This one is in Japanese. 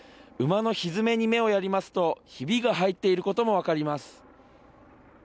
馬のひづめに目をやりますとひびが入っていることも分かります。